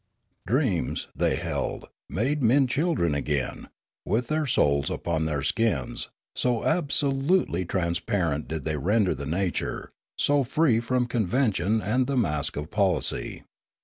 Dreams, they held, made men children again, with their souls upon their skins, so absolutely transparent did they render the nature, so free from convention and the mask of policy.